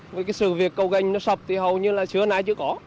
với sự việc cầu gành sập hầu như là sữa nay chưa có